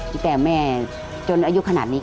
ที่แก่แม่จนอายุขนาดนี้